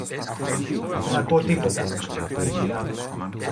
Δεν ακούω τίποτα! είπε η κυρά μου